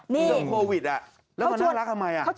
เรื่องโควิดแล้วมันน่ารักทำไม